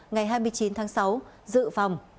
ngày hai mươi chín tháng sáu dự phòng